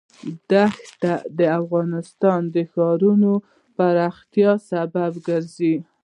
دښتې د افغانستان د ښاري پراختیا سبب کېږي.